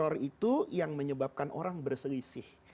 horror itu yang menyebabkan orang berselisih